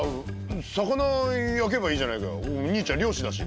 魚焼けばいいじゃないか兄ちゃん漁師だし。